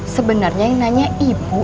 sebenarnya yang nanya ibu